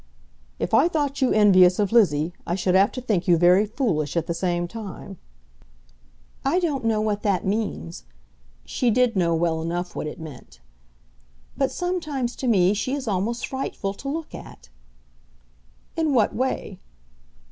"If I thought you envious of Lizzie, I should have to think you very foolish at the same time." "I don't know what that means;" she did know well enough what it meant; "but sometimes to me she is almost frightful to look at." "In what way?"